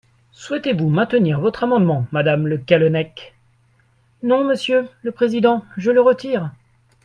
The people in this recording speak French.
Souhaitez-vous maintenir votre amendement, madame Le Callennec ? Non, monsieur le président, je le retire.